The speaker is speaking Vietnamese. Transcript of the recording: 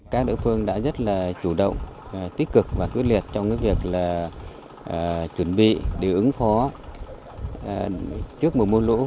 các đối phương đã rất là chủ động tích cực và quyết liệt trong việc chuẩn bị để ứng phó trước một môn lũ